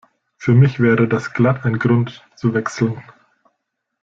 Für mich wäre das glatt ein Grund, zu wechseln.